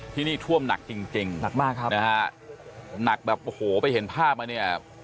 ที่นี่ท่วมหนักจริงนะครับหนักแบบโหวไปเห็นภาพมาเนี่ย